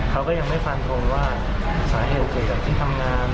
เขาก็ยังไม่ฟันทงว่าสาเหตุเกิดจากที่ทำงาน